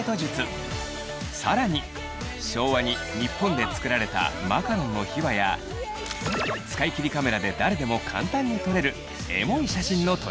更に昭和に日本で作られたマカロンの秘話や使い切りカメラで誰でも簡単に撮れるエモい写真の撮り方も！